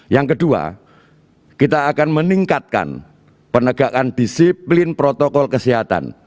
yang kedua kita akan meningkatkan penegakan disiplin protokol kesehatan